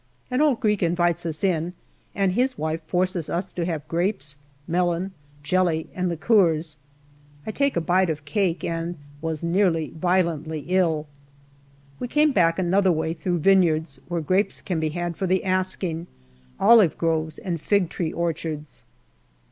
An old Greek invites us in, and his wife forces us to have grapes, melon, jelly, and liqueurs. I took a bite of cake and was nearly violently ill. We came back another way through vineyards, where grapes can be had for the asking, olive groves, and fig tree orchards.